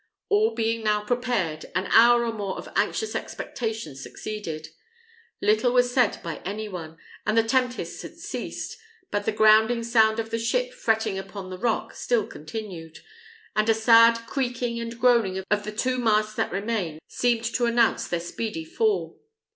All being now prepared, an hour or more of anxious expectation succeeded. Little was said by any one, and the tempest had ceased; but the grinding sound of the ship fretting upon the rock still continued, and a sad creaking and groaning of the two masts that remained seemed to announce their speedy fall.